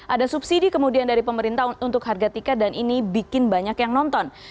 ada subsidi kemudian dari pemerintah untuk harga tiket dan ini bikin banyak yang nonton